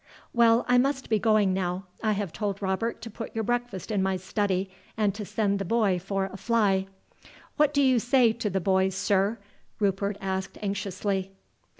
"Well, I must be going now. I have told Robert to put your breakfast in my study, and to send the boy for a fly." "What will you say to the boys, sir?" Rupert asked anxiously.